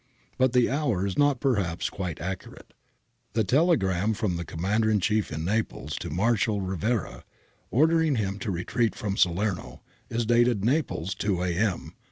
But the hour is not perhaps quite accurate. The telegram (printed in Monnier, 272) from the commander in chief in Naples to Marshal Rivera, ordering him to retreat from Salerno, is dated ' Naples, 2 a.m.'